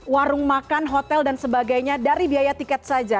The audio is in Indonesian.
warung makan hotel dan sebagainya dari biaya tiket saja